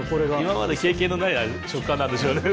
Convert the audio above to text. ・今まで経験のない食感なんでしょうね・